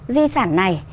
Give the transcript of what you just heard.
di sản này